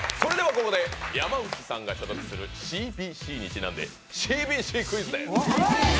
ここで山内さんが所属するＣＢＣにちなんで、ＣＢＣクイズです。